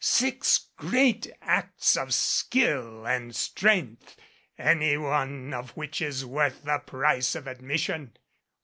Six great acts of skill and strength, any one of which is worth the price of admission!